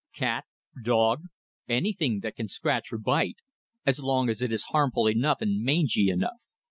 Cat, dog, anything that can scratch or bite; as long as it is harmful enough and mangy enough.